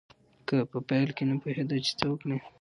هغه په پیل کې نه پوهېده چې څه وکړي.